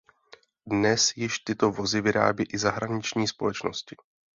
Dnes již tyto vozy vyrábí i zahraniční společnosti.